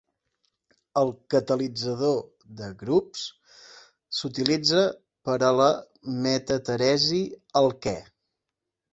El catalitzador de Grubbs s'utilitza per a la metateresis alquè.